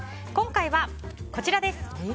今回はこちらです。